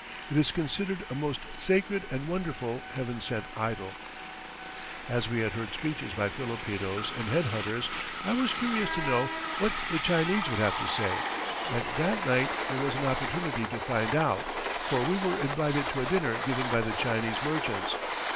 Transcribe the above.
It is considered a most sacred and wonderful heaven sent idol. As we had heard speeches by Filipinos and head hunters, I was curious to know what the Chinese would have to say, and that night there was an opportunity to find out, for we were invited to a dinner given by the Chinese merchants.